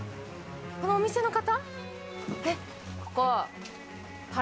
このお店の方？